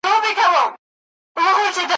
آس په زین او په سورلیو ښه ښکاریږي `